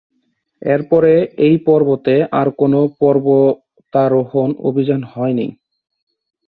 এর পরে এই পর্বতে আর কোন পর্বতারোহণ অভিযান হয়নি।